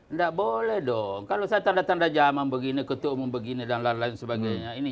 nggak boleh dong kalau saya tanda tanda zaman begini ketua umum begini dan lain lain sebagainya